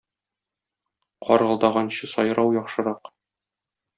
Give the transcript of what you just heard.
Каргылдаганчы сайрау яхшырак.